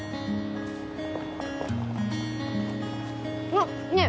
あっねぇ